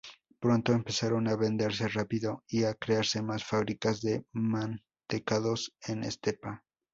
Pronto empezaron a venderse rápido y a crearse más fábricas de mantecados en Estepa.